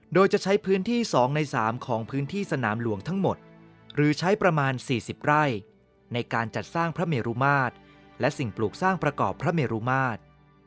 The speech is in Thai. โดยจะใช้พื้นที่๒ใน๓ของพื้นที่สนามหลวงทั้งหมดหรือใช้ประมาณ๔๐ไร่ในการจัดสร้างพระเมรุมาตรและสิ่งปลูกสร้างประกอบพระเมรุมาตร